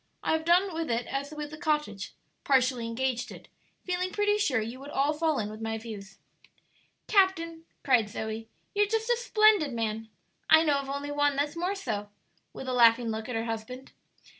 I have done with it as with the cottage partially engaged it feeling pretty sure you would all fall in with my views." "Captain," cried Zoe, "you're just a splendid man! I know of only one that's more so," with a laughing look at her husband.